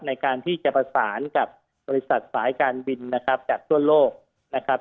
ในการที่จะประสานกับบริษัทสายการบินนะครับจากทั่วโลกนะครับ